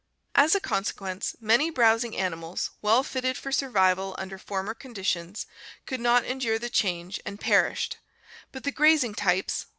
££ ^^v^T* As a consequence, many browsing animals, well fitted for survival under former conditions, could not endure the change and perished, but the grazing types, horses, camels, Fio.